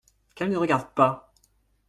Qu’elles ne regardent pas !